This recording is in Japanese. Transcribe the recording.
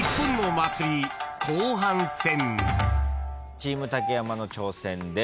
チーム竹山の挑戦です。